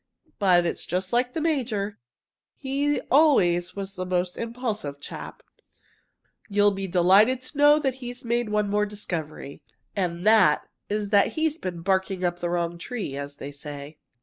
But it's just like the major. He always was the most impulsive chap. You'll be delighted to know that he's made one more discovery and that is that he has been 'barking up the wrong tree,' as they say.